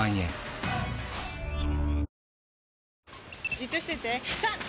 じっとしてて３！